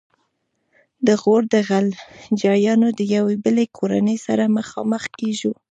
د غور د خلجیانو د یوې بلې کورنۍ سره مخامخ کیږو.